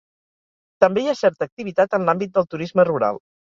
També hi ha certa activitat en l'àmbit del turisme rural.